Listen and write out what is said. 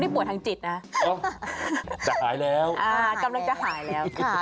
ป่วยทางจิตนะจะหายแล้วกำลังจะหายแล้ว